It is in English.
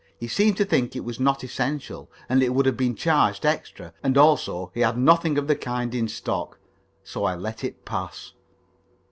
He seemed to think it was not essential, and it would have been charged extra, and also he had nothing of the kind in stock. So I let that pass.